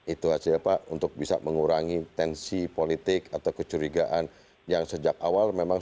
itu hasilnya pak untuk bisa mengurangi tensi politik atau kecurigaan yang sejak awal memang